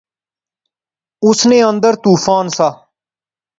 اس نے اندر طوفان سا